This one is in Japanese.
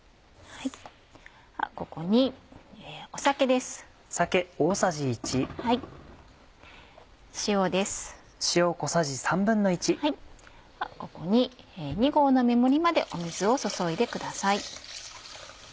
ここに２合の目盛りまで水を注いでください。